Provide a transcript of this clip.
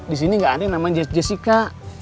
di sini gak ada namanya jessica